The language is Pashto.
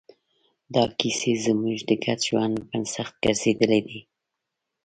دا کیسې زموږ د ګډ ژوند بنسټ ګرځېدلې دي.